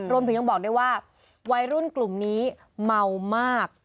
รวมถึงยังบอกได้ว่าวัยรุ่นกลุ่มนี้เมามาก